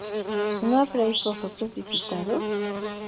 ¿No habréis vosotros visitado?